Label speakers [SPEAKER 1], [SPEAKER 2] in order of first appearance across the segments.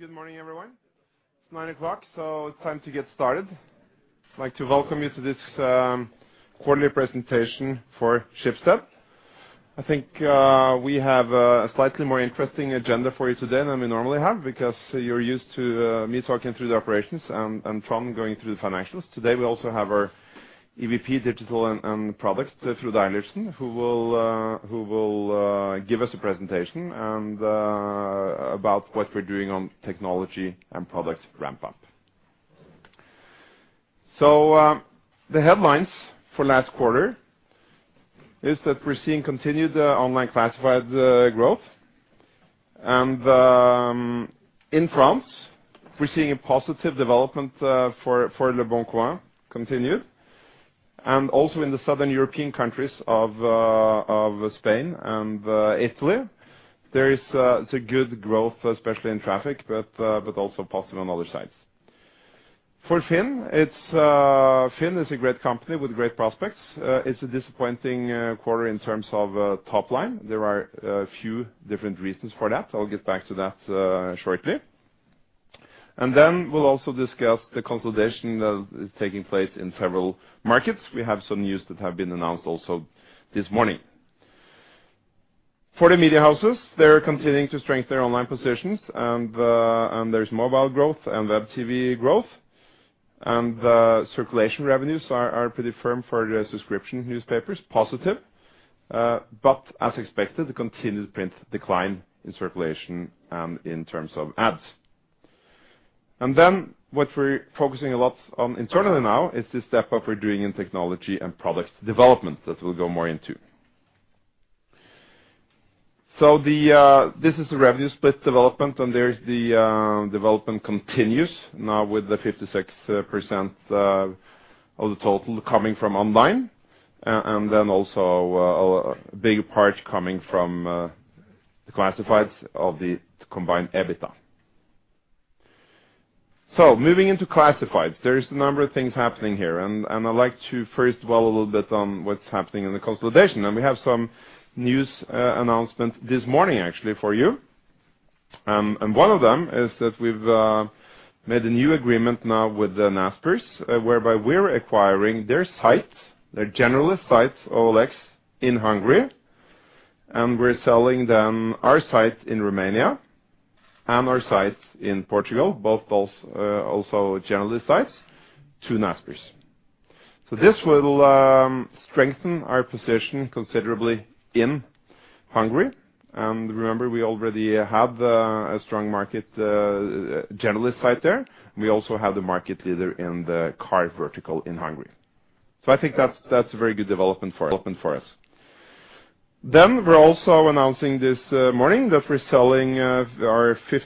[SPEAKER 1] Good morning, everyone. It's 9:00 A.M., so it's time to get started. I'd like to welcome you to this quarterly presentation for Schibsted. We have a slightly more interesting agenda for you today than we normally have, because you're used to me talking through the operations and Trond going through the financials. Today, we also have our EVP digital and products, through Dag Eriksen, who will give us a presentation and about what we're doing on technology and product ramp up. The headlines for last quarter is that we're seeing continued online classified growth. In France, we're seeing a positive development for leboncoin continue. Also in the Southern European countries of Spain and Italy. There is, it's a good growth, especially in traffic, but also positive on other sides. For FINN, it's, FINN is a great company with great prospects. It's a disappointing quarter in terms of top line. There are a few different reasons for that. I'll get back to that shortly. We'll also discuss the consolidation that is taking place in several markets. We have some news that have been announced also this morning. For the media houses, they're continuing to strengthen their online positions and there's mobile growth and WebTV growth. Circulation revenues are pretty firm for the subscription newspapers, positive. As expected, the continued print decline in circulation in terms of ads. What we're focusing a lot on internally now is the step up we're doing in technology and product development. That we'll go more into. This is the revenue split development, and there the development continues now with the 56% of the total coming from online. Also a big part coming from the classifieds of the combined EBITDA. Moving into classifieds, there's a number of things happening here, and I'd like to first dwell a little bit on what's happening in the consolidation. We have some news announcement this morning actually for you. One of them is that we've made a new agreement now with the Naspers, whereby we're acquiring their site, their generalist site, OLX, in Hungary. We're selling them our site in Romania and our site in Portugal, both also generalist sites, to Naspers. This will strengthen our position considerably in Hungary. Remember, we already have a strong market generalist site there. We also have the market leader in the car vertical in Hungary. I think that's a very good development for us. We're also announcing this morning that we're selling our 50%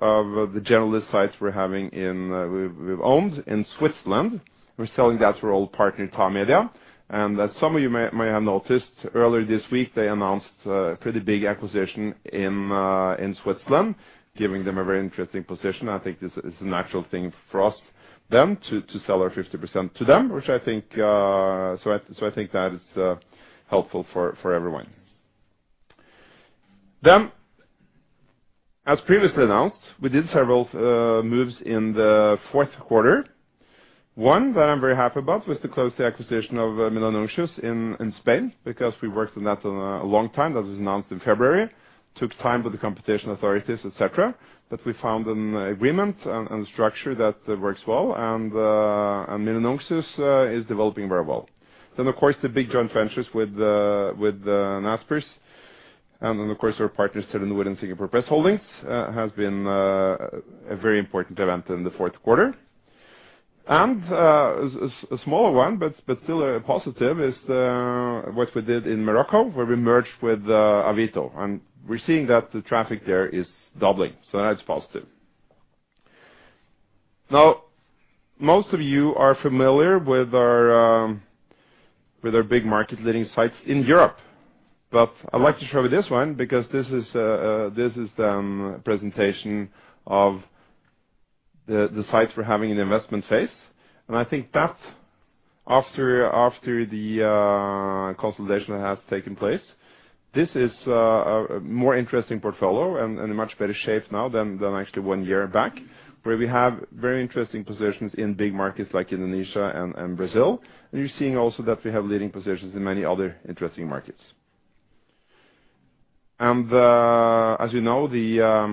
[SPEAKER 1] of the generalist sites we've owned in Switzerland. We're selling that to our old partner, Tamedia. As some of you may have noticed, earlier this week, they announced a pretty big acquisition in Switzerland, giving them a very interesting position. I think this is a natural thing for us, them, to sell our 50% to them, which I think, so I think that is helpful for everyone. As previously announced, we did several moves in the fourth quarter. One that I'm very happy about was to close the acquisition of Milanuncios in Spain because we worked on that a long time. That was announced in February. Took time with the competition authorities, et cetera, but we found an agreement and structure that works well. Milanuncios is developing very well. Of course, the big joint ventures with Naspers. Of course, our partners here in Wood and Singapore Press Holdings has been a very important event in the fourth quarter. A smaller one, but still a positive is what we did in Morocco, where we merged with Avito. We're seeing that the traffic there is doubling. That's positive. Most of you are familiar with our big market-leading sites in Europe. I'd like to show you this one because this is this is a presentation of the sites we're having in the investment phase. I think that after the consolidation that has taken place, this is a more interesting portfolio and in a much better shape now than actually one year back. Where we have very interesting positions in big markets like Indonesia and Brazil. You're seeing also that we have leading positions in many other interesting markets. As you know, the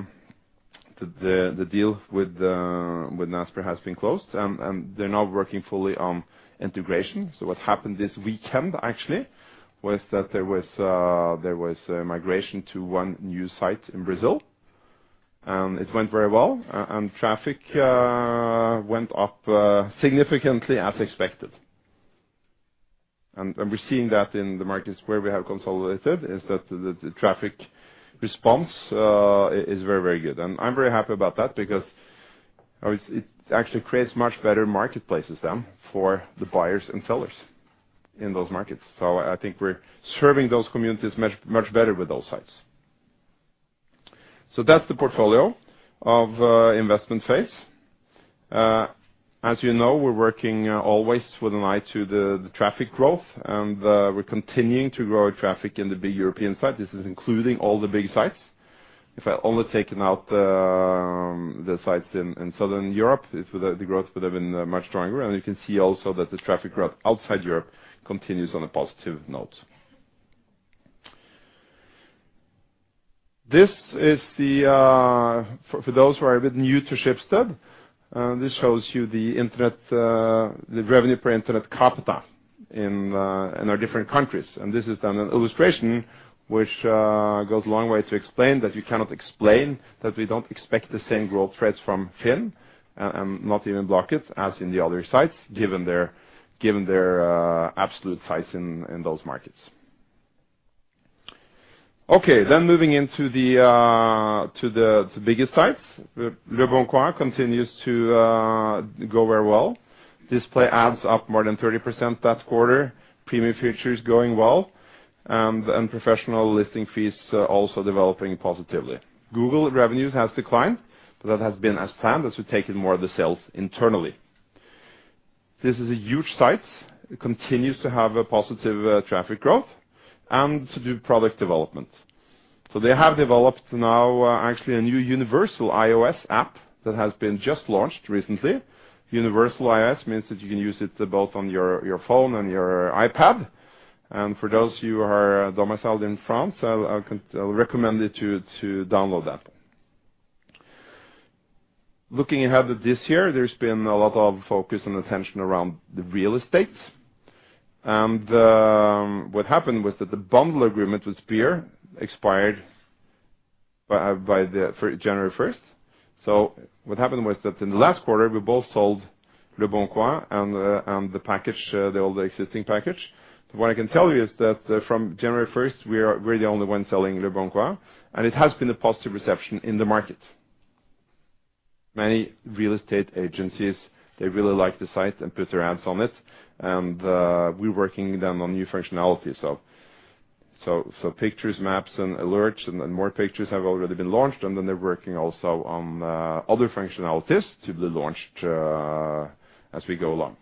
[SPEAKER 1] deal with Naspers has been closed. They're now working fully on integration. What happened this weekend, actually, was that there was a migration to one new site in Brazil. It went very well. Traffic went up significantly as expected. We're seeing that in the markets where we have consolidated, is that the traffic response is very, very good. I'm very happy about that because it actually creates much better marketplaces then for the buyers and sellers in those markets. I think we're serving those communities much, much better with those sites. That's the portfolio of investment phase. As you know, we're working always with an eye to the traffic growth, and we're continuing to grow traffic in the big European sites. This is including all the big sites. If I only taken out the sites in Southern Europe, the growth would have been much stronger. You can see also that the traffic growth outside Europe continues on a positive note. This is for those who are a bit new to Schibsted, this shows you the internet, the revenue per internet capita in our different countries. This is done an illustration which goes a long way to explain that you cannot explain that we don't expect the same growth rates from FINN and not even Blocket as in the other sites given their absolute size in those markets. Moving into the biggest sites. Leboncoin continues to go very well. Display ads up more than 30% that quarter. Premium features going well, professional listing fees are also developing positively. Google revenues has declined, that has been as planned as we've taken more of the sales internally. This is a huge site. It continues to have a positive traffic growth and to do product development. They have developed now actually a new universal iOS app that has been just launched recently. Universal iOS means that you can use it both on your phone and your iPad. For those of you who are domiciled in France, I'll recommend you to download that. Looking ahead at this year, there's been a lot of focus and attention around the real estate. What happened was that the bundle agreement with SPIR expired for January 1st. What happened was that in the last quarter, we both sold leboncoin and all the existing package. What I can tell you is that from January 1st, we're the only one selling leboncoin, and it has been a positive reception in the market. Many real estate agencies, they really like the site and put their ads on it, and we're working them on new functionalities. Pictures, maps and alerts and more pictures have already been launched, then they're working also on other functionalities to be launched as we go along.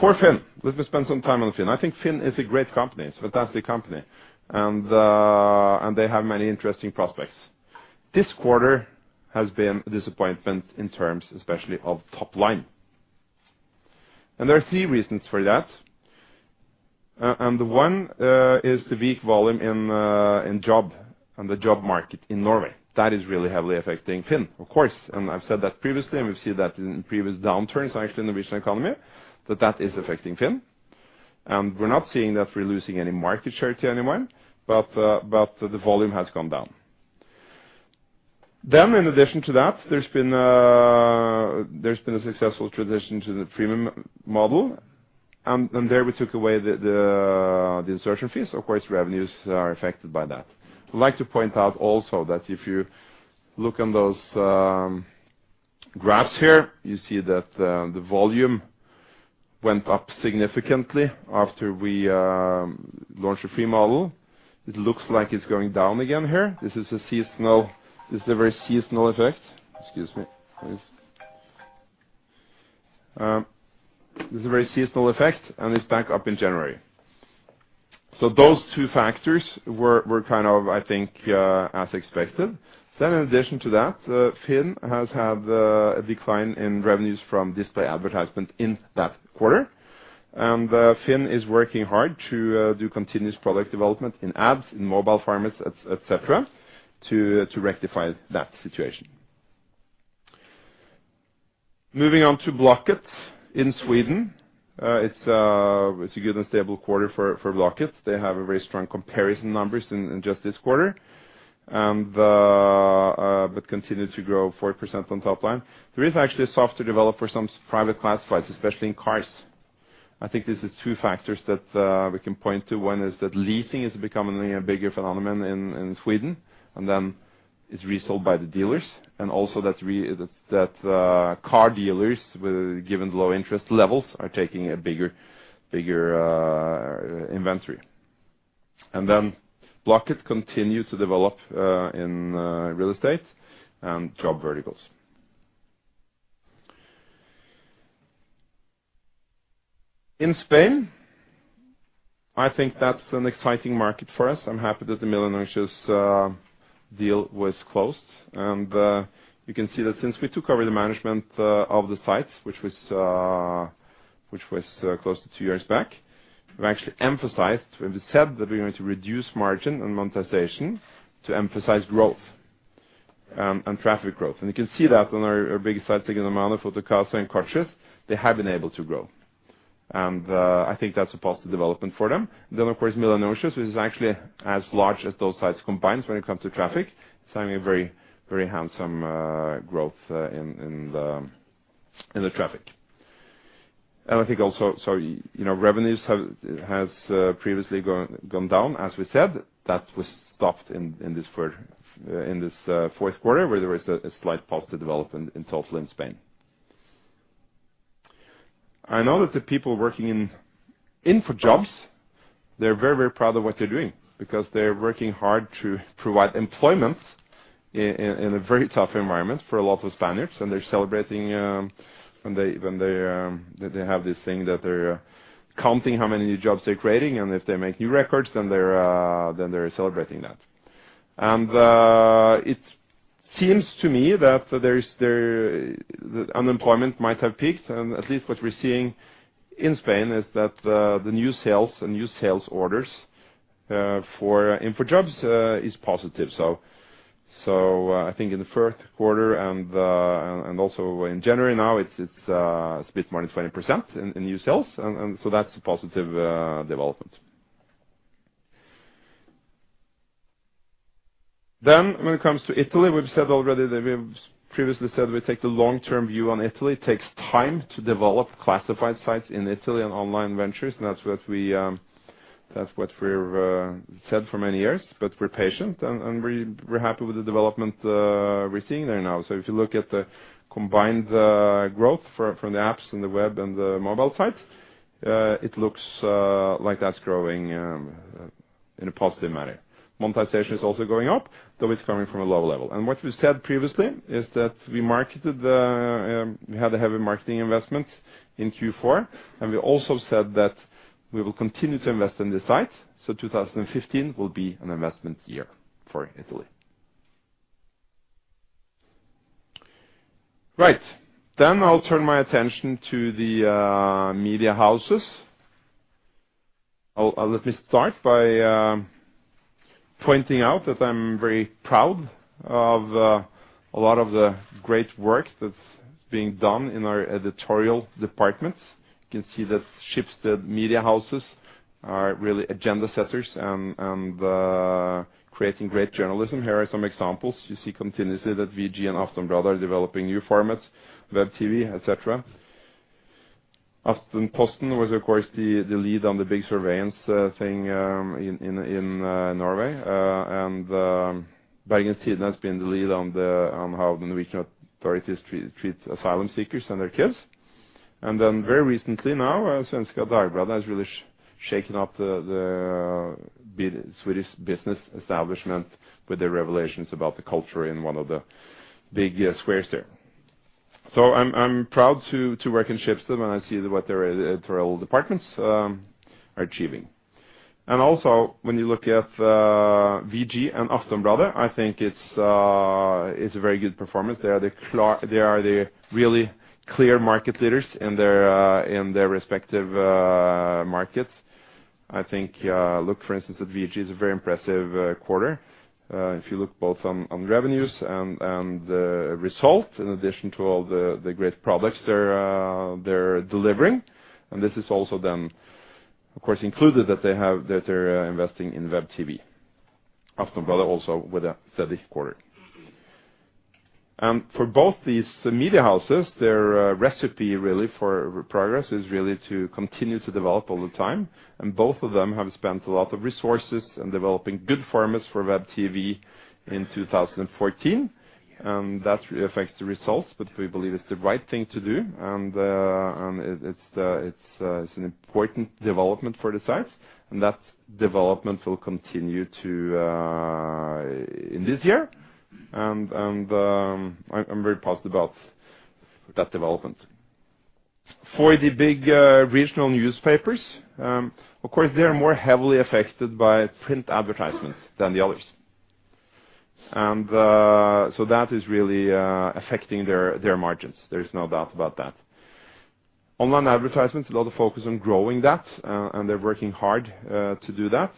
[SPEAKER 1] For FINN, let me spend some time on FINN. I think FINN is a great company. It's a fantastic company, and they have many interesting prospects. This quarter has been a disappointment in terms especially of top line. There are three reasons for that. And the one is the weak volume on the job market in Norway. That is really heavily affecting FINN, of course. I've said that previously, and we've seen that in previous downturns actually in the recent economy that that is affecting FINN. We're not seeing that we're losing any market share to anyone, but the volume has gone down. In addition to that, there's been a successful transition to the freemium model, and there we took away the insertion fees. Of course, revenues are affected by that. I'd like to point out also that if you look on those graphs here, you see that the volume went up significantly after we launched the free model. It looks like it's going down again here. This is a very seasonal effect. Excuse me, please. This is a very seasonal effect, and it's back up in January. Those two factors were kind of, I think, as expected. In addition to that, FINN has had a decline in revenues from display advertisement in that quarter. FINN is working hard to do continuous product development in ads, in mobile formats, et cetera, to rectify that situation. Moving on to Blocket in Sweden. It's a good and stable quarter for Blocket. They have a very strong comparison numbers in just this quarter. Continue to grow 4% on top line. There is actually a softer develop for some private classifieds, especially in cars. I think this is two factors that we can point to. One is that leasing is becoming a bigger phenomenon in Sweden, and then it's resold by the dealers. Also that car dealers with, given low interest levels are taking a bigger inventory. Blocket continue to develop in real estate and job verticals. In Spain, I think that's an exciting market for us. I'm happy that the Milanuncios deal was closed. You can see that since we took over the management of the site, which was close to two years back, we've actually emphasized, we've said that we're going to reduce margin and monetization to emphasize growth and traffic growth. You can see that on our big sites like El Mundo, Fotocasa, and coches.net, they have been able to grow. I think that's a positive development for them. Of course, Milanuncios, which is actually as large as those sites combined when it comes to traffic, it's having a very handsome growth in the traffic. I think also, you know, revenues has previously gone down, as we said. That was stopped in this fourth quarter, where there was a slight positive development in total in Spain. I know that the people working in InfoJobs, they're very, very proud of what they're doing because they're working hard to provide employment in a very tough environment for a lot of Spaniards, and they're celebrating when they, when they have this thing that they're counting how many new jobs they're creating, and if they make new records, then they're then they're celebrating that. It seems to me that there is. The unemployment might have peaked, at least what we're seeing in Spain is that the new sales and new sales orders for InfoJobs is positive. I think in the third quarter and also in January now, it's a bit more than 20% in new sales. That's a positive development. When it comes to Italy, we've said already that we've previously said we take the long-term view on Italy. It takes time to develop classified sites in Italy and online ventures. That's what we've said for many years. We're patient and we're happy with the development we're seeing there now. If you look at the combined growth from the apps and the web and the mobile site, it looks like that's growing in a positive manner. Monetization is also going up, though it's coming from a low level. What we said previously is that we marketed the. We had a heavy marketing investment in Q4, and we also said that we will continue to invest in this site, so 2015 will be an investment year for Italy. Right. I'll turn my attention to the media houses. Let me start by pointing out that I'm very proud of a lot of the great work that's being done in our editorial departments. You can see that Schibsted media houses are really agenda setters and creating great journalism. Here are some examples. You see continuously that VG and Aftenbladet are developing new formats, WebTV, et cetera. Aftenposten was of course, the lead on the big surveillance thing in Norway. Bergens Tidende has been the lead on how the Norwegian authorities treat asylum seekers and their kids. Very recently now, Svenska Dagbladet has really shaken up the Swedish business establishment with their revelations about the culture in one of the big squares there. I'm proud to work in Schibsted, and I see what their editorial departments are achieving. Also when you look at VG and Aftenbladet, I think it's a very good performance. They are the really clear market leaders in their respective markets. I think, look for instance at VG, it's a very impressive quarter. If you look both on revenues and result in addition to all the great products they're delivering. This is also then of course included that they're investing in web TV. Aftenbladet also with a steady quarter. For both these media houses, their recipe really for progress is really to continue to develop all the time. Both of them have spent a lot of resources in developing good formats for web TV in 2014. That affects the results, but we believe it's the right thing to do. It's the, it's an important development for the sites, and that development will continue in this year. I'm very positive about that development. For the big regional newspapers, of course, they are more heavily affected by print advertisements than the others. So that is really affecting their margins. There is no doubt about that. Online advertisements, a lot of focus on growing that, and they're working hard to do that.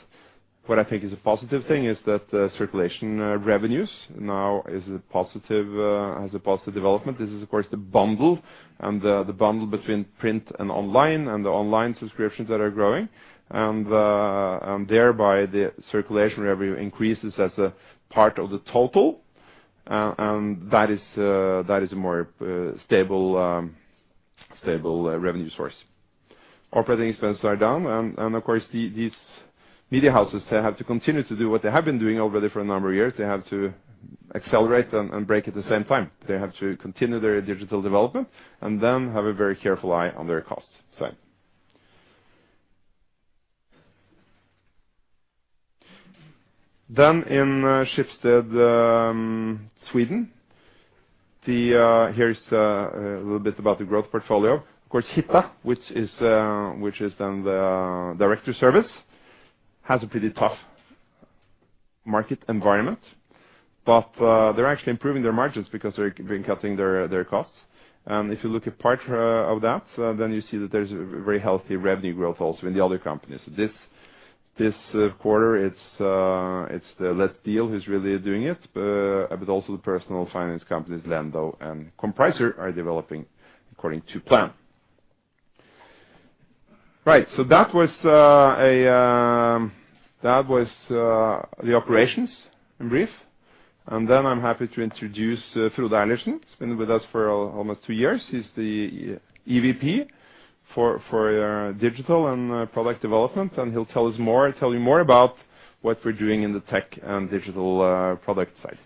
[SPEAKER 1] What I think is a positive thing is that circulation revenues now is a positive, has a positive development. This is of course the bundle and the bundle between print and online and the online subscriptions that are growing. Thereby the circulation revenue increases as a part of the total, and that is a more stable revenue source. Operating expenses are down. Of course, these media houses, they have to continue to do what they have been doing already for a number of years. They have to accelerate and brake at the same time. They have to continue their digital development and then have a very careful eye on their costs side. In Schibsted Sweden, here is a little bit about the growth portfolio. Of course, Hitta.se, which is then the director service, has a pretty tough market environment. They're actually improving their margins because they've been cutting their costs. If you look at part of that, then you see that there's a very healthy revenue growth also in the other companies. This quarter, it's the Let's Deal who's really doing it. But also the personal finance companies Lendo and Compricer are developing according to plan. Right. That was the operations in brief. I'm happy to introduce Frode Andresen. He's been with us for almost two years. He's the EVP for digital and product development, and he'll tell you more about what we're doing in the tech and digital product side.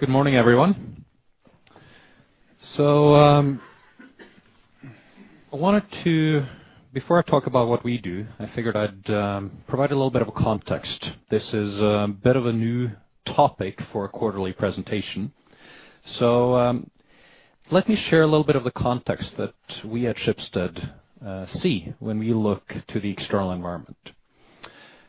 [SPEAKER 2] Good morning, everyone. Before I talk about what we do, I figured I'd provide a little bit of a context. This is a bit of a new topic for a quarterly presentation, so let me share a little bit of the context that we at Schibsted see when we look to the external environment.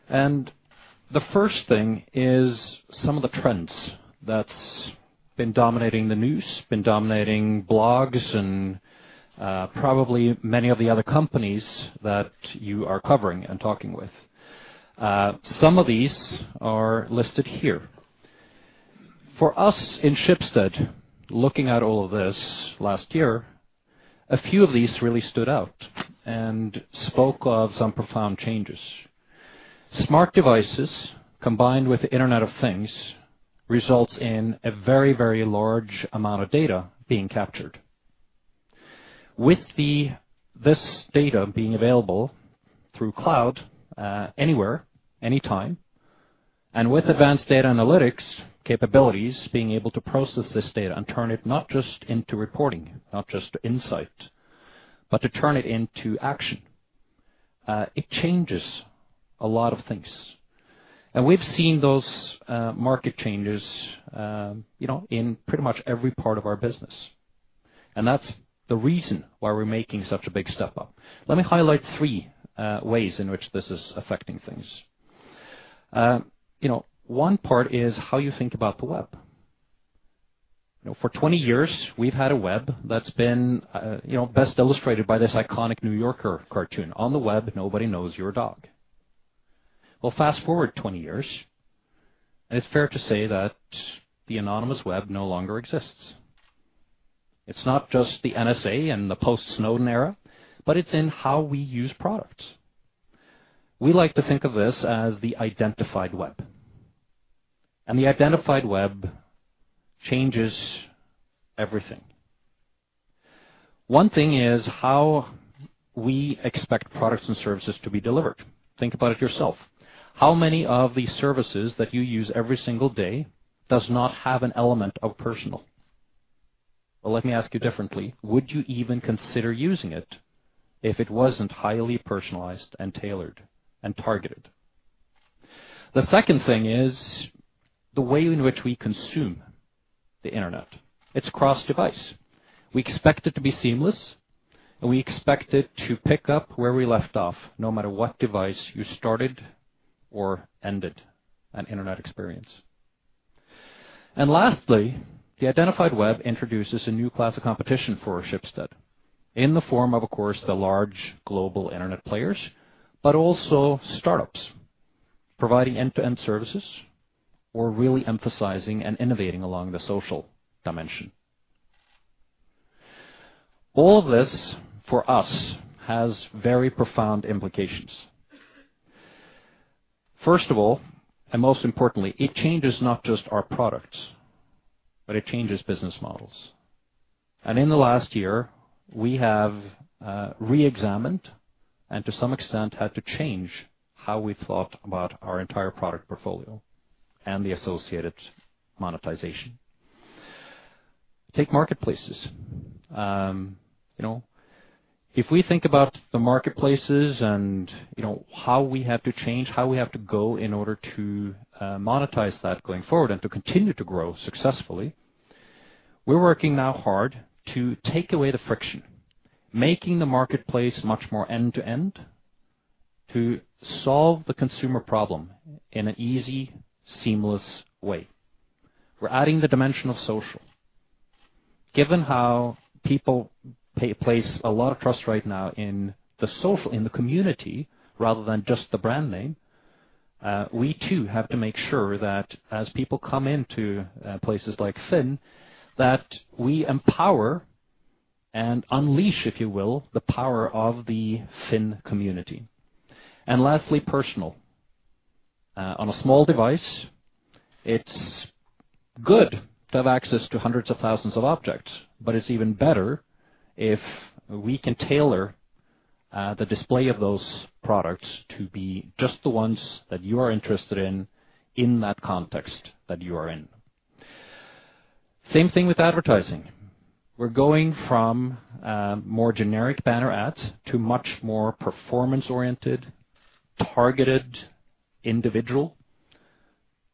[SPEAKER 2] The first thing is some of the trends that's been dominating the news, been dominating blogs, and probably many of the other companies that you are covering and talking with. Some of these are listed here. For us in Schibsted, looking at all of this last year, a few of these really stood out and spoke of some profound changes. Smart devices, combined with the Internet of Things, results in a very large amount of data being captured. With this data being available through cloud, anywhere, anytime, and with advanced data analytics capabilities being able to process this data and turn it not just into reporting, not just insight, but to turn it into action, it changes a lot of things. We've seen those market changes, you know, in pretty much every part of our business, and that's the reason why we're making such a big step up. Let me highlight three ways in which this is affecting things. You know, one part is how you think about the web. You know, for 20 years, we've had a web that's been, you know, best illustrated by this iconic New Yorker cartoon, On the Web, Nobody Knows You're a Dog. Well, fast-forward 20 years, and it's fair to say that the anonymous web no longer exists. It's not just the NSA and the post-Snowden era, but it's in how we use products. We like to think of this as the identified web. The identified web changes everything. One thing is how we expect products and services to be delivered. Think about it yourself. How many of the services that you use every single day does not have an element of personal? Well, let me ask you differently. Would you even consider using it if it wasn't highly personalized and tailored and targeted? The second thing is the way in which we consume the Internet. It's cross-device. We expect it to be seamless. We expect it to pick up where we left off no matter what device you started or ended an Internet experience. Lastly, the identified web introduces a new class of competition for Schibsted in the form of course, the large global Internet players, but also startups providing end-to-end services or really emphasizing and innovating along the social dimension. All this, for us, has very profound implications. First of all, and most importantly, it changes not just our products, but it changes business models. In the last year, we have re-examined and to some extent had to change how we thought about our entire product portfolio and the associated monetization. Take marketplaces. you know, if we think about the marketplaces and, you know, how we have to change, how we have to go in order to monetize that going forward and to continue to grow successfully, we're working now hard to take away the friction, making the marketplace much more end-to-end to solve the consumer problem in an easy, seamless way. We're adding the dimension of social. Given how people place a lot of trust right now in the social, in the community rather than just the brand name, we too have to make sure that as people come into places like Finn, that we empower and unleash, if you will, the power of the Finn community. Lastly, personal. On a small device, it's good to have access to hundreds of thousands of objects, but it's even better if we can tailor the display of those products to be just the ones that you are interested in in that context that you are in. Same thing with advertising. We're going from more generic banner ads to much more performance-oriented, targeted individual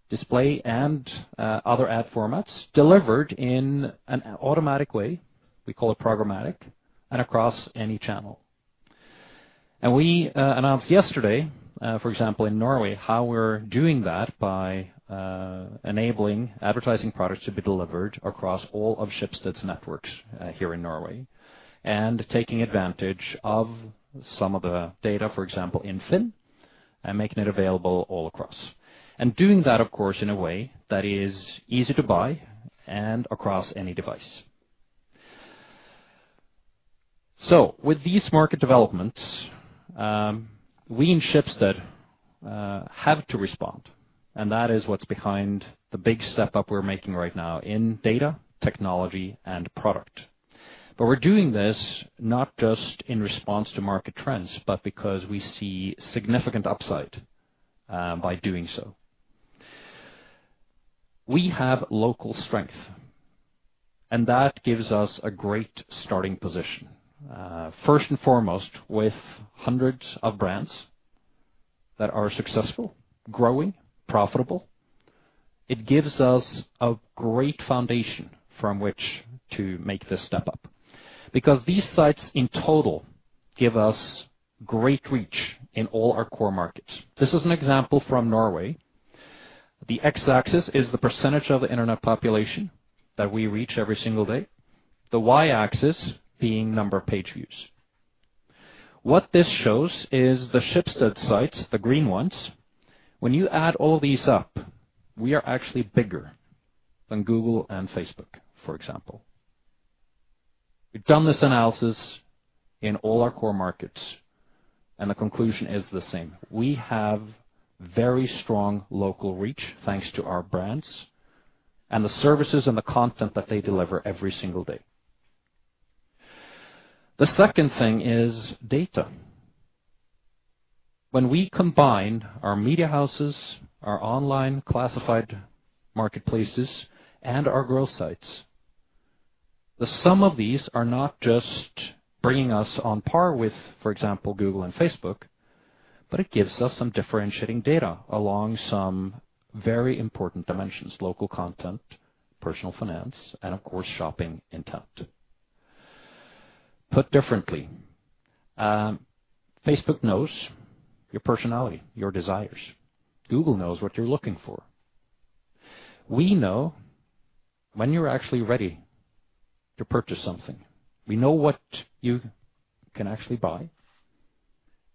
[SPEAKER 2] display and other ad formats delivered in an automatic way, we call it programmatic, and across any channel. We announced yesterday, for example, in Norway, how we're doing that by enabling advertising products to be delivered across all of Schibsted's networks here in Norway, and taking advantage of some of the data, for example, in FINN, and making it available all across. Doing that, of course, in a way that is easy to buy and across any device. With these market developments, we in Schibsted have to respond, and that is what's behind the big step up we're making right now in data, technology, and product. We're doing this not just in response to market trends, but because we see significant upside by doing so. We have local strength, and that gives us a great starting position. First and foremost, with hundreds of brands that are successful, growing, profitable. It gives us a great foundation from which to make this step up because these sites in total give us great reach in all our core markets. This is an example from Norway. The X-axis is the % of the internet population that we reach every single day, the Y-axis being number of page views. What this shows is the Schibsted sites, the green ones. When you add all these up, we are actually bigger than Google and Facebook, for example. We've done this analysis in all our core markets. The conclusion is the same. We have very strong local reach, thanks to our brands and the services and the content that they deliver every single day. The second thing is data. When we combine our media houses, our online classified marketplaces, and our growth sites, the sum of these are not just bringing us on par with, for example, Google and Facebook, but it gives us some differentiating data along some very important dimensions: local content, personal finance, and of course, shopping intent. Put differently, Facebook knows your personality, your desires. Google knows what you're looking for. We know when you're actually ready to purchase something. We know what you can actually buy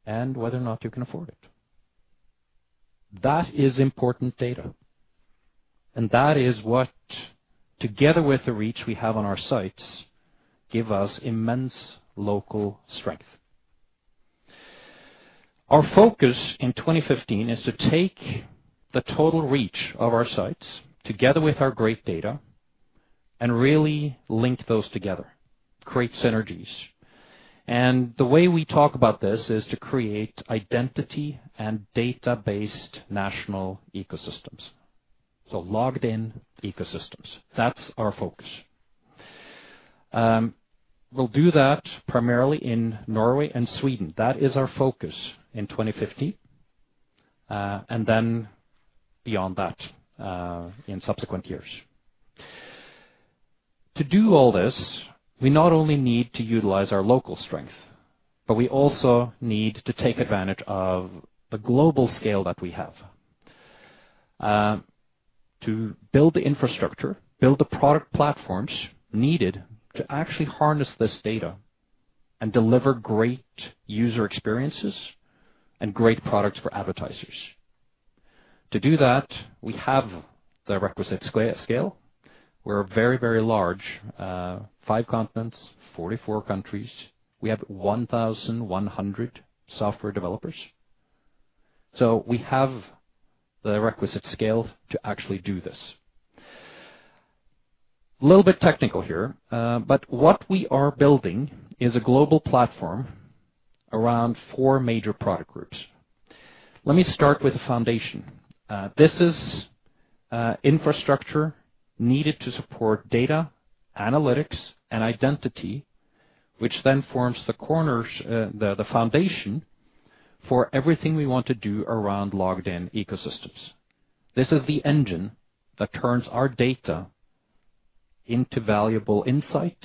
[SPEAKER 2] and whether or not you can afford it. That is important data, that is what, together with the reach we have on our sites, give us immense local strength. Our focus in 2015 is to take the total reach of our sites together with our great data and really link those together, create synergies. The way we talk about this is to create identity and data-based national ecosystems. Logged in ecosystems. That's our focus. We'll do that primarily in Norway and Sweden. That is our focus in 2015, then beyond that, in subsequent years. To do all this, we not only need to utilize our local strength, we also need to take advantage of the global scale that we have to build the infrastructure, build the product platforms needed to actually harness this data and deliver great user experiences and great products for advertisers. To do that, we have the requisite scale. We're very large. Five continents, 44 countries. We have 1,100 software developers. We have the requisite scale to actually do this. Little bit technical here, what we are building is a global platform around four major product groups. Let me start with the foundation. This is infrastructure needed to support data, analytics, and identity, which forms the foundation for everything we want to do around logged in ecosystems. This is the engine that turns our data into valuable insight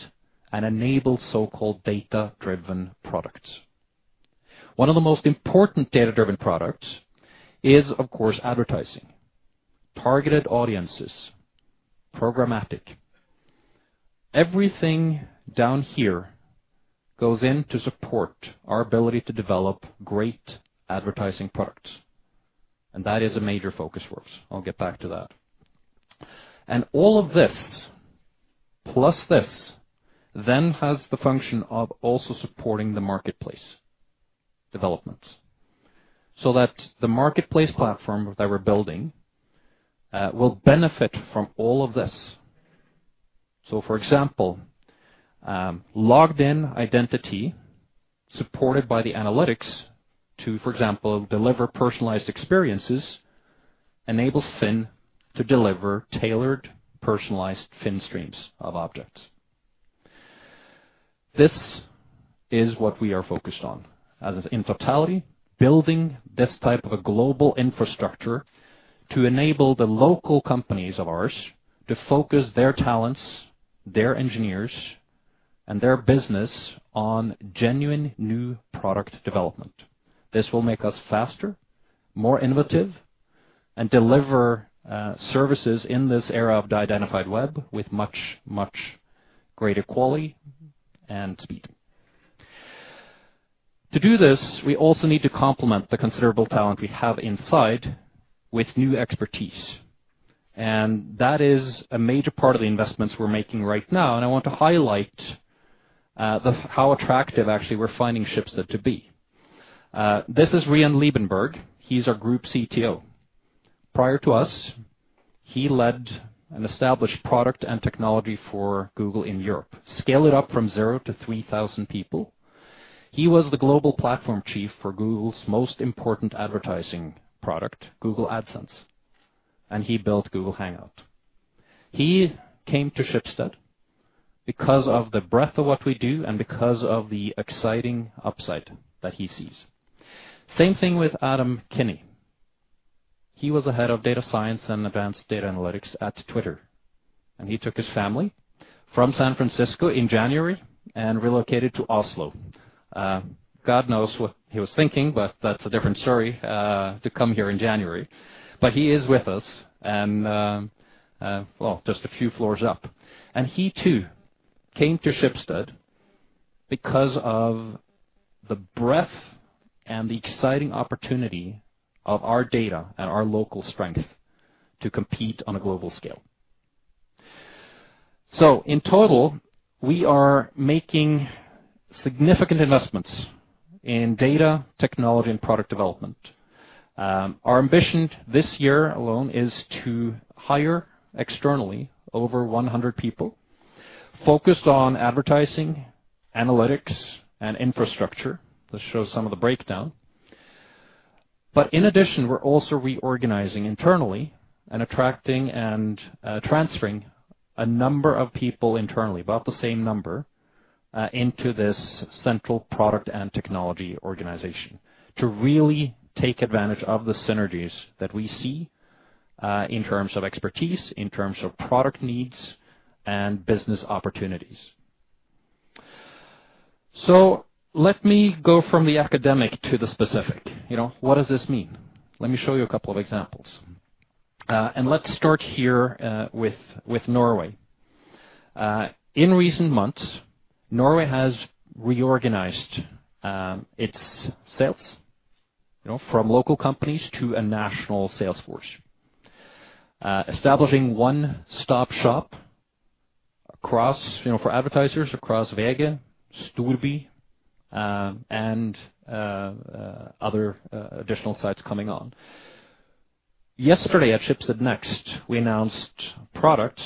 [SPEAKER 2] and enables so-called data-driven products. One of the most important data-driven products is, of course, advertising. Targeted audiences, programmatic. Everything down here goes in to support our ability to develop great advertising products, that is a major focus for us. I'll get back to that. All of this, plus this then has the function of also supporting the marketplace developments so that the marketplace platform that we're building, will benefit from all of this. For example, logged in identity supported by the analytics to, for example, deliver personalized experiences, enables FINN to deliver tailored, personalized FINN streams of objects. This is what we are focused on, as in totality, building this type of a global infrastructure to enable the local companies of ours to focus their talents, their engineers, and their business on genuine new product development. This will make us faster, more innovative, and deliver, services in this era of de-identified web with much, much greater quality and speed. To do this, we also need to complement the considerable talent we have inside with new expertise. That is a major part of the investments we're making right now. I want to highlight how attractive actually we're finding Schibsted to be. This is Rian Liebenberg. He's our Group CTO. Prior to us, he led an established product and technology for Google in Europe, scaled it up from zero to 3,000 people. He was the global platform chief for Google's most important advertising product, Google AdSense, and he built Google Hangouts. He came to Schibsted because of the breadth of what we do and because of the exciting upside that he sees. Same thing with Adam Kinney. He was the Head of Data Science and advanced data analytics at Twitter. He took his family from San Francisco in January and relocated to Oslo. God knows what he was thinking, but that's a different story, to come here in January. He is with us and, well, just a few floors up. He too came to Schibsted because of the breadth and the exciting opportunity of our data and our local strength to compete on a global scale. In total, we are making significant investments in data technology and product development. Our ambition this year alone is to hire externally over 100 people focused on advertising, analytics, and infrastructure. This shows some of the breakdown. In addition, we're also reorganizing internally and attracting and transferring a number of people internally, about the same number, into this central product and technology organization to really take advantage of the synergies that we see in terms of expertise, in terms of product needs and business opportunities. Let me go from the academic to the specific. You know, what does this mean? Let me show you a couple of examples. Let's start here with Norway. In recent months, Norway has reorganized its sales, you know, from local companies to a national sales force, establishing one-stop shop across, you know, for advertisers across VG, Stavanger Aftenblad, and other additional sites coming on. Yesterday at Schibsted Next, we announced products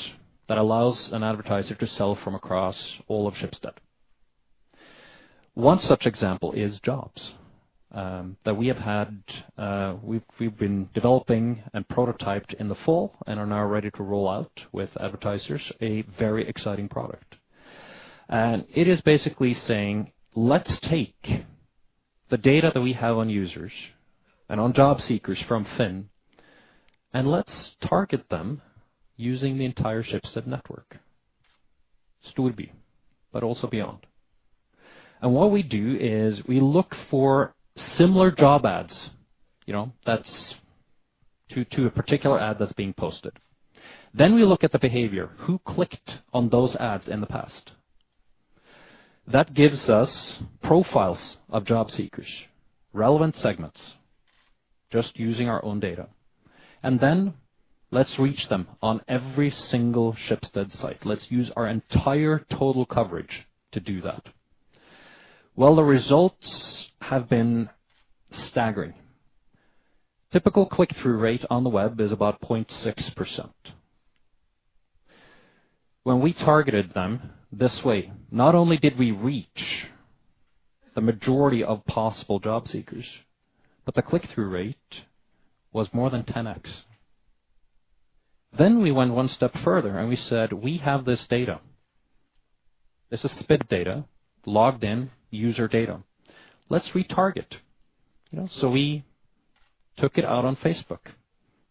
[SPEAKER 2] that allows an advertiser to sell from across all of Schibsted. One such example is jobs that we have had, we've been developing and prototyped in the fall and are now ready to roll out with advertisers a very exciting product. It is basically saying, let's take the data that we have on users and on job seekers from FINN, and let's target them using the entire Schibsted network, Stavanger Aftenblad, but also beyond. What we do is we look for similar job ads, you know, that's to a particular ad that's being posted. We look at the behavior, who clicked on those ads in the past. That gives us profiles of job seekers, relevant segments, just using our own data. Let's reach them on every single Schibsted site. Let's use our entire total coverage to do that. Well, the results have been staggering. Typical click-through rate on the web is about 0.6%. When we targeted them this way, not only did we reach the majority of possible job seekers, but the click-through rate was more than 10x. We went one step further, and we said, we have this data. This is SPID data, logged in user data. Let's retarget. You know, we took it out on Facebook.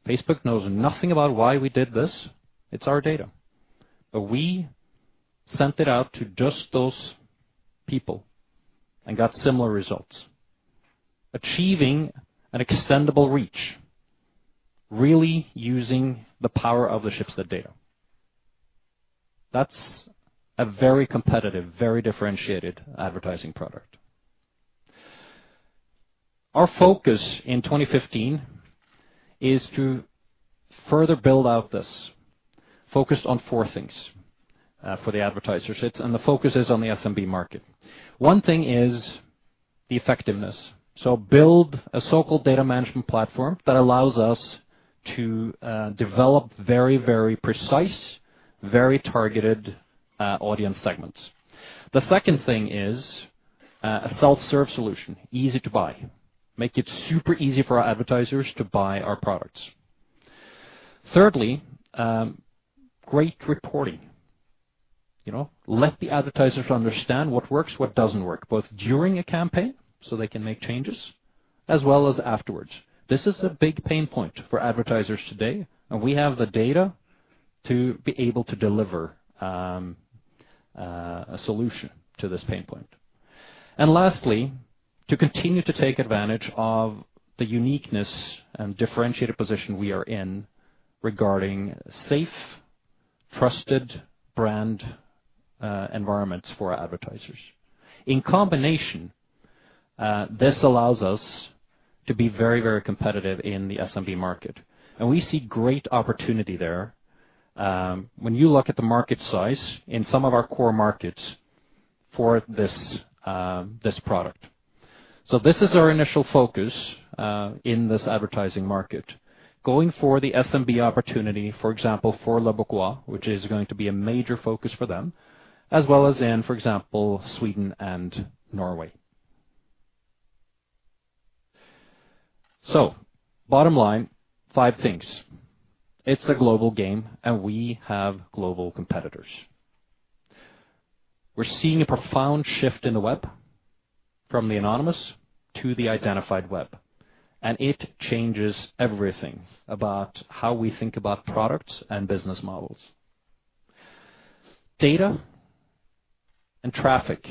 [SPEAKER 2] Facebook knows nothing about why we did this. It's our data. We sent it out to just those people and got similar results. Achieving an extendable reach, really using the power of the Schibsted data. That's a very competitive, very differentiated advertising product. Our focus in 2015 is to further build out this focus on four things for the advertisers. The focus is on the SMB market. One thing is the effectiveness. Build a so-called data management platform that allows us to develop very, very precise, very targeted audience segments. The second thing is a self-serve solution, easy to buy, make it super easy for our advertisers to buy our products. Thirdly, great reporting. You know, let the advertisers understand what works, what doesn't work, both during a campaign, so they can make changes, as well as afterwards. This is a big pain point for advertisers today, and we have the data to be able to deliver a solution to this pain point. Lastly, to continue to take advantage of the uniqueness and differentiated position we are in regarding safe, trusted brand environments for our advertisers. In combination, this allows us to be very, very competitive in the SMB market, and we see great opportunity there. When you look at the market size in some of our core markets for this product. This is our initial focus in this advertising market. Going for the SMB opportunity, for example, for La Boqueria, which is going to be a major focus for them, as well as in, for example, Sweden and Norway. Bottom line, five things. It's a global game, we have global competitors. We're seeing a profound shift in the web from the anonymous to the identified web. It changes everything about how we think about products and business models. Data and traffic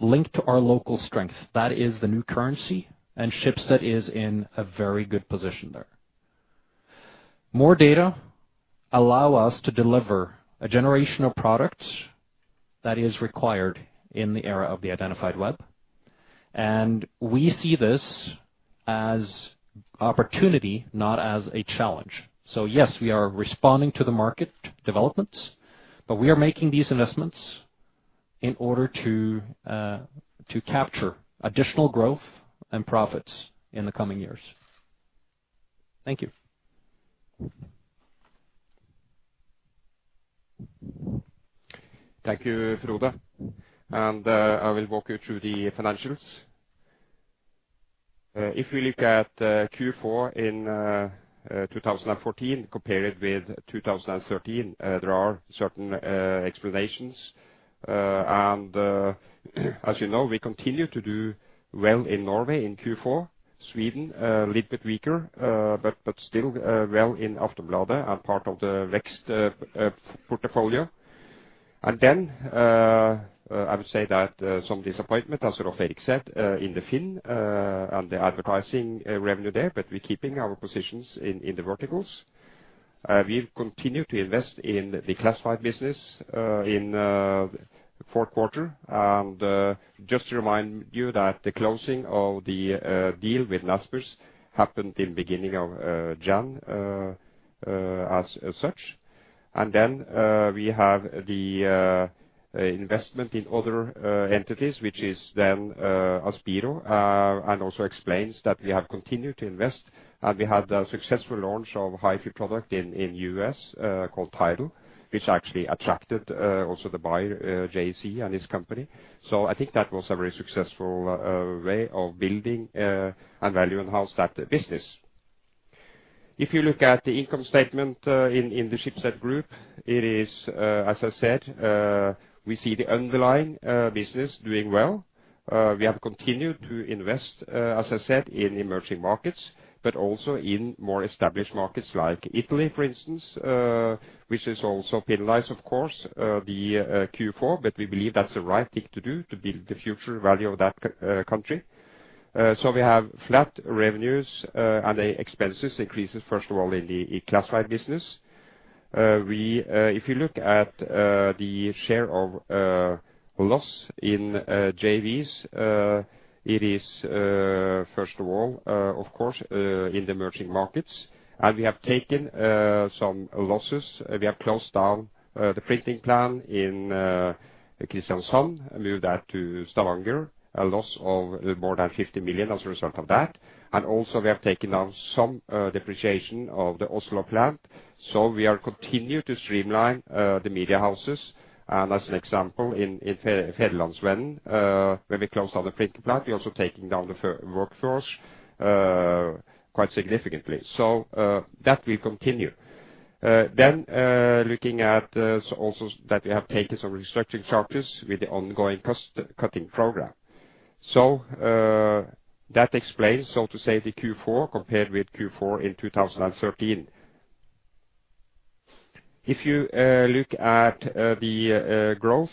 [SPEAKER 2] linked to our local strength. That is the new currency. Schibsted is in a very good position there. More data allow us to deliver a generational product that is required in the era of the identified web. We see this as opportunity, not as a challenge. Yes, we are responding to the market developments. We are making these investments in order to capture additional growth and profits in the coming years. Thank you.
[SPEAKER 3] Thank you, Frode. I will walk you through the financials. If we look at Q4 in 2014, compare it with 2013, there are certain explanations. As you know, we continue to do well in Norway in Q4. Sweden, a little bit weaker, but still well in Aftonbladet and part of the Next portfolio. I would say that some disappointment, as Frode said, in the FINN and the advertising revenue there, but we're keeping our positions in the verticals. We've continued to invest in the classified business in the fourth quarter. Just to remind you that the closing of the deal with Naspers happened in beginning of January as such. We have the investment in other entities, which is Aspiro, and also explains that we had a successful launch of HiFi product in U.S., called TIDAL, which actually attracted also the buyer, Jay-Z and his company. I think that was a very successful way of building and value enhance that business. If you look at the income statement in the Schibsted group, it is, as I said, we see the underlying business doing well. We have continued to invest, as I said, in emerging markets, but also in more established markets like Italy, for instance, which has also penalized, of course, the Q4, but we believe that's the right thing to do to build the future value of that country. We have flat revenues, and the expenses increases, first of all, in the classified business. We, if you look at the share of loss in JVs, it is, first of all, of course, in the emerging markets. We have taken some losses. We have closed down the printing plant in Kristiansand, moved that to Stavanger, a loss of more than 50 million as a result of that. Also, we have taken down some depreciation of the Oslo plant. We are continued to streamline the media houses, and as an example, in Verdens Gang, when we closed down the printing plant, we're also taking down the workforce quite significantly. That will continue. Looking at also that we have taken some restructuring charges with the ongoing cutting program. That explains, so to say, the Q4 compared with Q4 in 2013. If you look at the growth,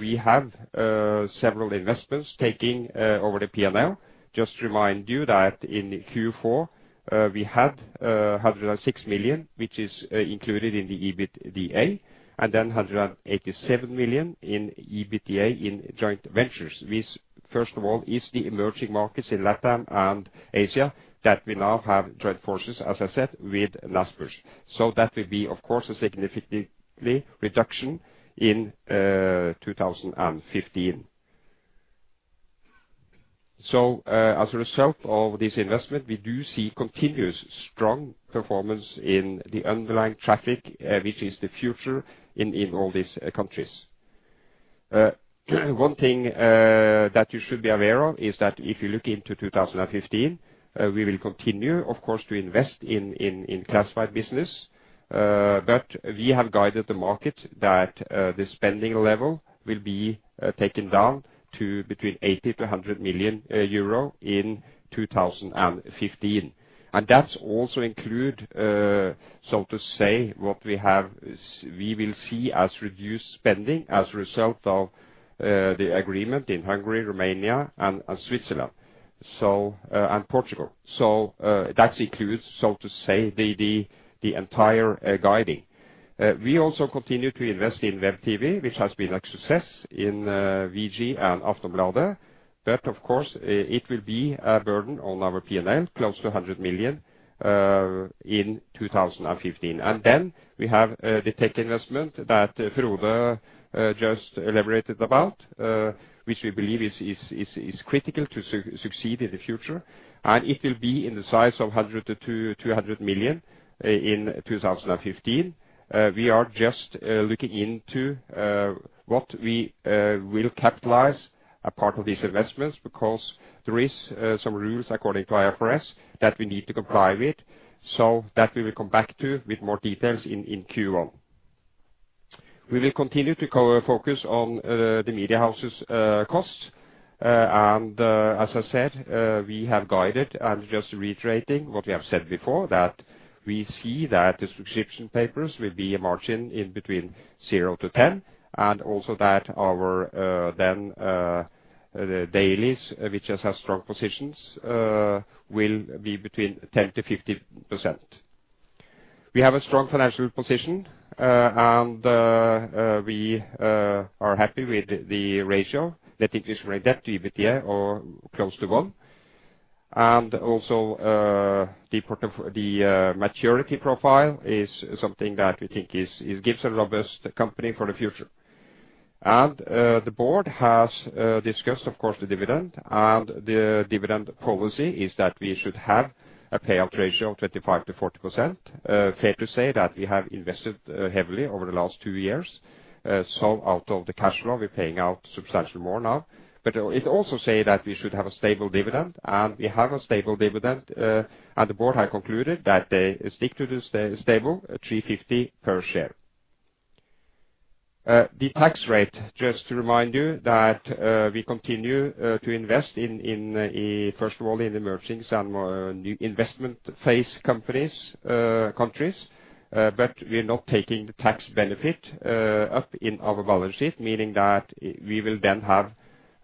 [SPEAKER 3] we have several investments taking over the P&L. Just remind you that in Q4, we had 106 million, which is included in the EBITDA, and then 187 million in EBITDA in joint ventures. This, first of all, is the emerging markets in LatAm and Asia that we now have joint forces, as I said, with Naspers. That will be, of course, a significantly reduction in 2015. As a result of this investment, we do see continuous strong performance in the underlying traffic, which is the future in all these countries. One thing that you should be aware of is that if you look into 2015, we will continue, of course, to invest in classified business. We have guided the market that the spending level will be taken down to between 80 million and 100 million euro in 2015. That's also include, so to say, what we will see as reduced spending as a result of the agreement in Hungary, Romania, and Switzerland, and Portugal. That includes, so to say, the entire guiding. We also continue to invest in WebTV, which has been a success in VG and Aftonbladet. Of course, it will be a burden on our P&L, close to 100 million in 2015. We have the tech investment that Frode just elaborated about, which we believe is critical to succeed in the future. It will be in the size of 100 million-200 million in 2015. We are just looking into what we will capitalize a part of these investments because there is some rules according to IFRS that we need to comply with, so that we will come back to with more details in Q1. We will continue to focus on the media houses costs. As I said, we have guided and just reiterating what we have said before, that we see that the subscription papers will be a margin in between zero-10%, and also that our the dailies which has strong positions, will be between 10%-50%. We have a strong financial position. We are happy with the ratio. Net interest rate debt to EBITDA are close to one. Also, the maturity profile is something that we think is gives a robust company for the future. The board has discussed, of course, the dividend. The dividend policy is that we should have a payout ratio of 35%-40%. Fair to say that we have invested heavily over the last two years. Out of the cash flow, we're paying out substantially more now. It also say that we should have a stable dividend, and we have a stable dividend. The board had concluded that they stick to the stable at 3.50 per share. The tax rate, just to remind you that, we continue to invest in, first of all, in emerging some new investment phase companies, countries. We're not taking the tax benefit up in our balance sheet, meaning that we will then have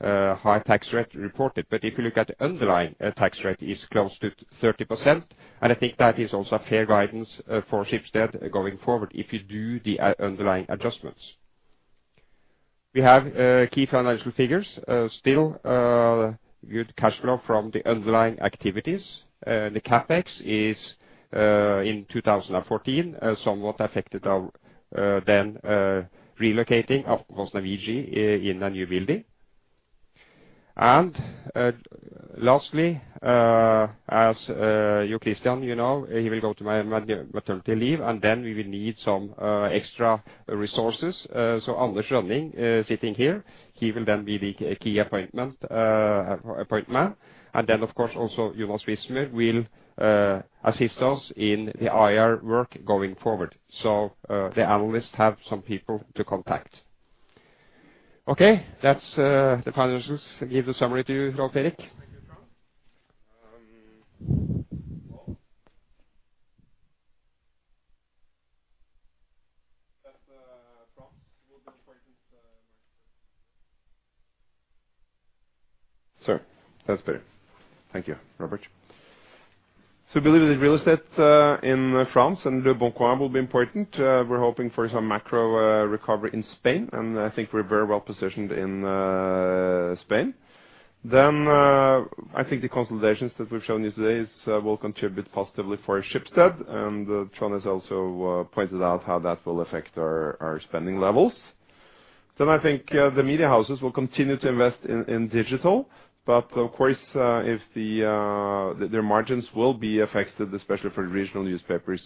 [SPEAKER 3] high tax rate reported. If you look at underlying, tax rate is close to 30%, I think that is also a fair guidance for Schibsted going forward, if you do the underlying adjustments. We have key financial figures. Still, good cash flow from the underlying activities. The CapEx is in 2014 somewhat affected our then relocating of VG in a new building. Lastly, as Jo Christian, you know, he will go to maternity leave, then we will need some extra resources. Anders Rønning, sitting here, he will then be the key appointment. Then of course, also, Jon Sveinsvoll will assist us in the IR work going forward. The analysts have some people to contact. Okay, that's the financials. Give the summary to you, Rolv Erik.
[SPEAKER 1] Thank you, Trond. France will be important market. That's better. Thank you, Robert. We believe the real estate in France and leboncoin will be important. We're hoping for some macro recovery in Spain, and I think we're very well positioned in Spain. I think the consolidations that we've shown you today will contribute positively for Schibsted, and Trond has also pointed out how that will affect our spending levels. I think the media houses will continue to invest in digital. Of course, if their margins will be affected, especially for regional newspapers,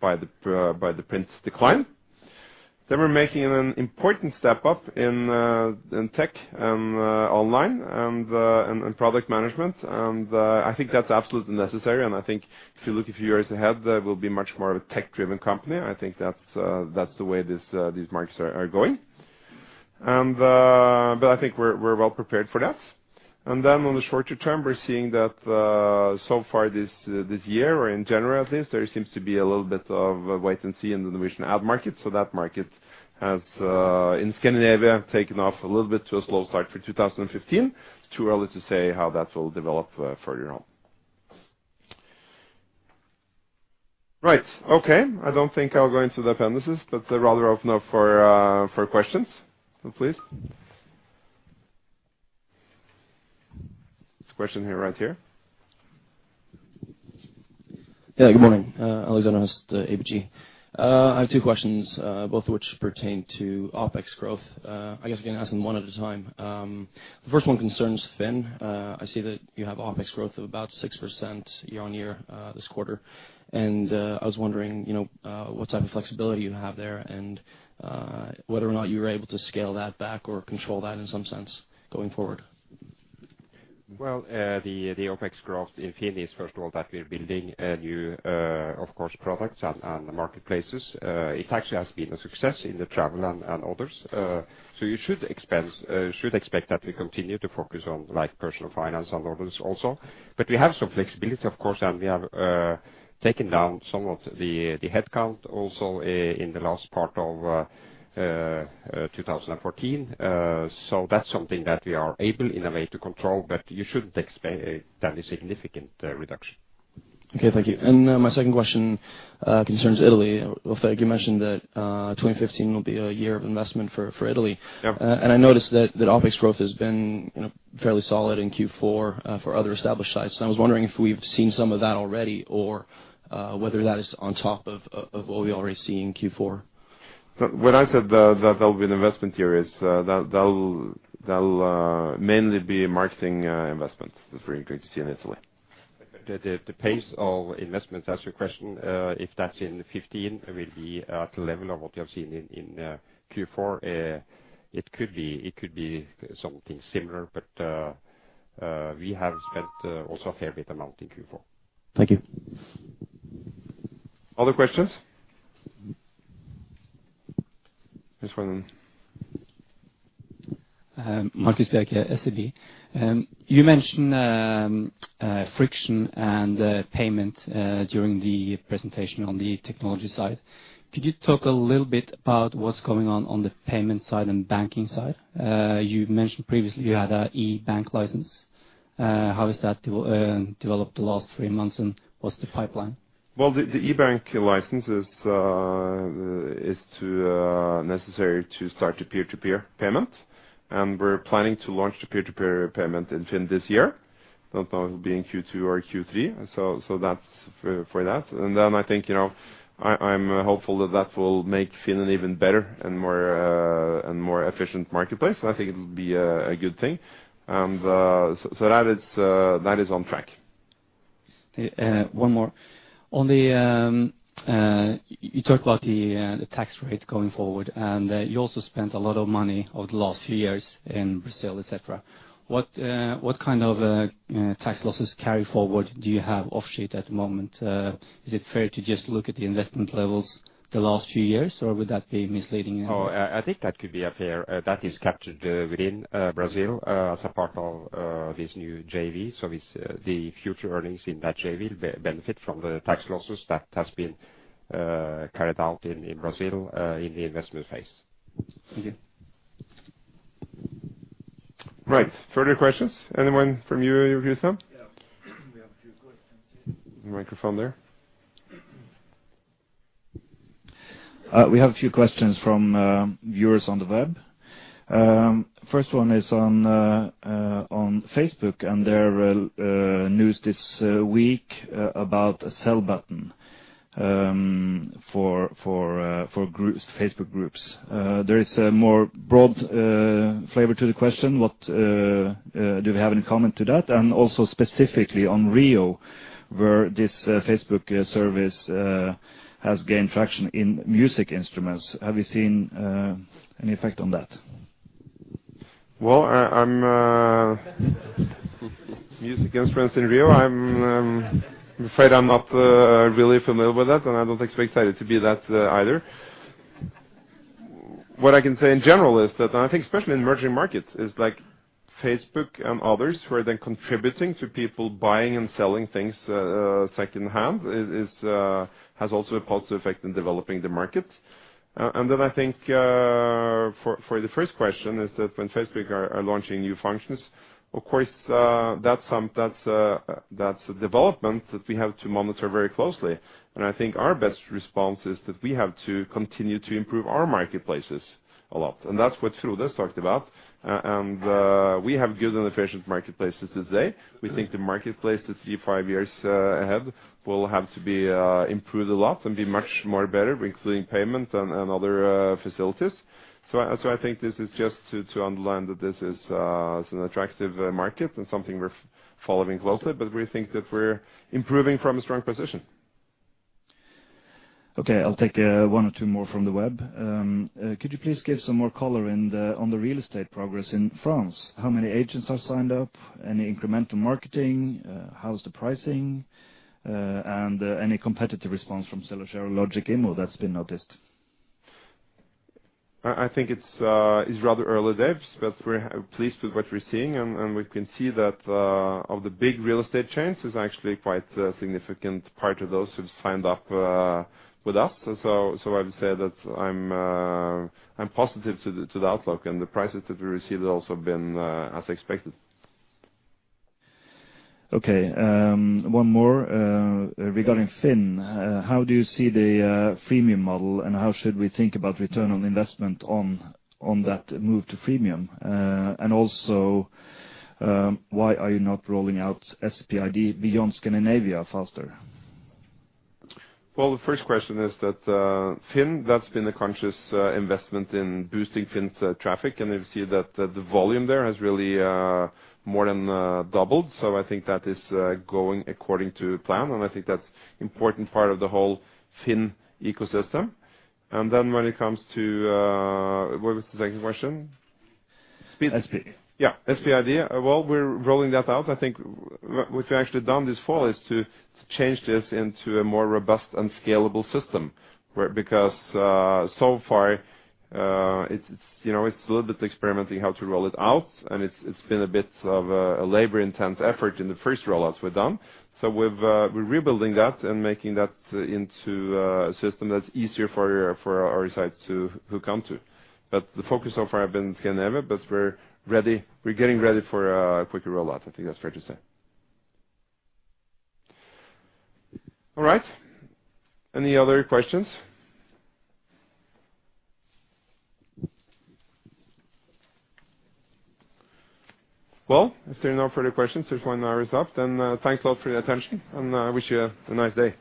[SPEAKER 1] by the print decline. We're making an important step up in tech, online and in product management. I think that's absolutely necessary, and I think if you look a few years ahead, we'll be much more of a tech-driven company. I think that's the way this, these markets are going. I think we're well prepared for that. On the shorter term, we're seeing that, so far this year or in general at least, there seems to be a little bit of wait and see in the Norwegian ad market. That market has, in Scandinavia, taken off a little bit to a slow start for 2015. It's too early to say how that will develop, further on. Right. Okay. I don't think I'll go into the appendices, but rather open up for questions. Please. There's a question here, right here.
[SPEAKER 4] Yeah. Good morning. Alexander Høst, ABG. I have two questions, both of which pertain to OpEx growth. I guess I can ask them one at a time. The first one concerns FINN. I see that you have OpEx growth of about 6% year-on-year this quarter. I was wondering, you know, what type of flexibility you have there and whether or not you were able to scale that back or control that in some sense going forward.
[SPEAKER 3] Well, the OpEx growth in FINN is first of all that we're building a new, of course, products and marketplaces. It actually has been a success in the travel and others. You should expect that we continue to focus on like personal finance and others also. We have some flexibility, of course, and we have taken down some of the headcount also in the last part of 2014. That's something that we are able in a way to control, but you shouldn't expect that a significant reduction.
[SPEAKER 4] Okay, thank you. My second question concerns Italy. Trond, you mentioned that 2015 will be a year of investment for Italy.
[SPEAKER 3] Yeah.
[SPEAKER 4] I noticed that OpEx growth has been, you know, fairly solid in Q4 for other established sites. I was wondering if we've seen some of that already or whether that is on top of what we already see in Q4.
[SPEAKER 3] When I said that there'll be an investment here is, that'll mainly be marketing investments that we're going to see in Italy.
[SPEAKER 1] The pace of investment, to answer your question, if that's in 2015 will be at the level of what we have seen in Q4. It could be something similar, but we have spent also a fair bit amount in Q4.
[SPEAKER 4] Thank you.
[SPEAKER 1] Other questions? This one.
[SPEAKER 5] Markus Bjerke at SEB. You mentioned friction and payment during the presentation on the technology side. Could you talk a little bit about what's going on on the payment side and banking side? You mentioned previously you had a e-money license. How has that developed the last three months, and what's the pipeline?
[SPEAKER 1] Well, the e-money license is to necessary to start the peer-to-peer payment, and we're planning to launch the peer-to-peer payment in FINN this year. Don't know it will be in Q2 or Q3, so that's for that. I think, you know, I'm hopeful that will make FINN an even better and more and more efficient marketplace. I think it'll be a good thing. That is on track.
[SPEAKER 5] Okay. One more. You talked about the tax rate going forward, you also spent a lot of money over the last few years in Brazil, et cetera. What kind of tax losses carry forward do you have off sheet at the moment? Is it fair to just look at the investment levels the last few years, or would that be misleading?
[SPEAKER 3] I think that could be a fair. That is captured within Brazil, as a part of this new JV. It's the future earnings in that JV will benefit from the tax losses that has been carried out in Brazil, in the investment phase.
[SPEAKER 5] Thank you.
[SPEAKER 1] Right. Further questions? Anyone from you, Jo Christian Steigedal?
[SPEAKER 6] Yeah. We have a few questions here.
[SPEAKER 1] Microphone there.
[SPEAKER 6] We have a few questions from viewers on the web. First one is on Facebook, and there news this week about a sell button for groups, Facebook groups. There is a more broad flavor to the question. What do you have any comment to that? Also specifically on Reverb, where this Facebook service has gained traction in music instruments. Have you seen any effect on that?
[SPEAKER 1] Well, Music instruments in Reverb, I'm afraid I'm not really familiar with that, and I don't expect that to be that either. What I can say in general is that I think especially in emerging markets is, like Facebook and others who are then contributing to people buying and selling things secondhand is has also a positive effect in developing the market. And then I think for the first question is that when Facebook are launching new functions, of course, that's a development that we have to monitor very closely. I think our best response is that we have to continue to improve our marketplaces a lot. We have good and efficient marketplaces today. We think the marketplace is three, five years ahead will have to be improved a lot and be much more better, including payment and other facilities. I think this is just to underline that this is an attractive market and something we're following closely, but we think that we're improving from a strong position.
[SPEAKER 6] Okay. I'll take one or two more from the web. Could you please give some more color on the real estate progress in France? How many agents have signed up? Any incremental marketing? How's the pricing? Any competitive response from seller share Logic Immo that's been noticed?
[SPEAKER 1] I think it's rather early days, but we're pleased with what we're seeing, and we can see that of the big real estate chains, it's actually quite a significant part of those who've signed up with us. I would say that I'm positive to the outlook, and the prices that we received have also been as expected.
[SPEAKER 6] Okay. One more regarding FINN. How do you see the freemium model, and how should we think about return on investment on that move to freemium? Why are you not rolling out SPID beyond Scandinavia faster?
[SPEAKER 1] The first question is that FINN, that's been a conscious investment in boosting FINN's traffic. We see that the volume there has really more than doubled. I think that is going according to plan, and I think that's important part of the whole FINN ecosystem. When it comes to... What was the second question?
[SPEAKER 6] SPID.
[SPEAKER 2] Yeah. SPID. We're rolling that out. I think what we've actually done this fall is to change this into a more robust and scalable system. So far, it's, you know, it's a little bit experimenting how to roll it out, and it's been a bit of a labor-intense effort in the first rollouts we've done. We've, we're rebuilding that and making that into a system that's easier for our sites who come to. The focus so far have been Scandinavia, but we're ready. We're getting ready for a quicker rollout. I think that's fair to say.
[SPEAKER 1] All right. Any other questions? If there are no further questions, just want to wrap this up. Thanks a lot for your attention, and I wish you a nice day.